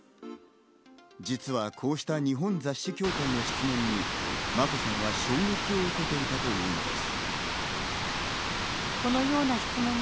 実はこうした日本雑誌協会の質問に眞子さんは衝撃を受けていたというのです。